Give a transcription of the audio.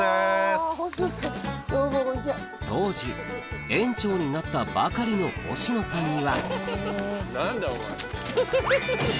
当時園長になったばかりの星野さんには何だよお前ハハハ。